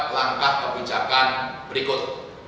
langkah kebijakan berikut